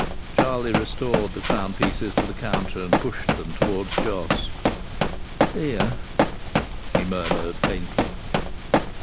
Charlie restored the crown pieces to the counter and pushed them towards Jos. "Here!" he murmured faintly.